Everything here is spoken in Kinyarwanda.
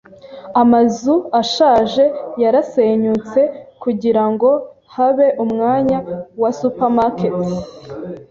Amazu ashaje yarasenyutse kugirango habe umwanya wa supermarket.